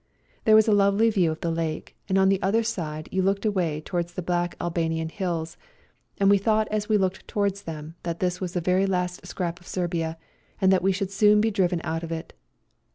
There was a lovely view of the lake, and on the other side you looked away towards the black Albanian hills, and we thought as we looked towards them that this was the very last scrap of Serbia, and that we should soon be driven out of it.